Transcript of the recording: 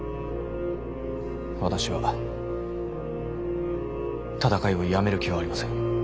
私は戦いをやめる気はありません。